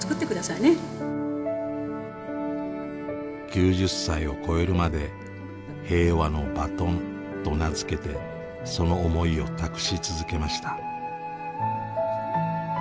９０歳を超えるまで平和のバトンと名付けてその思いを託し続けました。